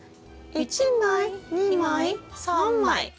１枚２枚３枚。